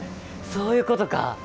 そういうことか。